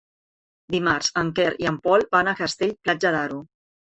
Dimarts en Quer i en Pol van a Castell-Platja d'Aro.